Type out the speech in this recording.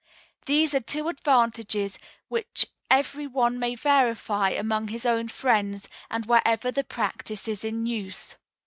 These are two advantages which every one may verify among his own friends, and wherever the practice is in use."